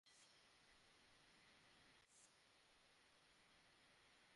Lip kit by Kylie নামে Kylie নিয়ে এসেছেন লিপ কালারের নতুন পণ্যসম্ভার।